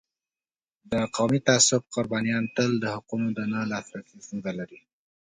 د قومي تعصب قربانیان تل د حقونو د نه لاسرسی ستونزه لري.